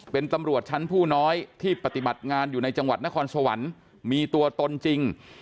เป็นตำรวจชั้นผู้น้อยที่ปฏิบัติงานอยู่ในจังหวัดนครสวรรค์มีตัวตนจริง